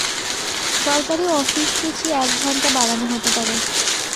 সরকারি অফিসসূচি এক ঘণ্টা বাড়ানো হতে পারে।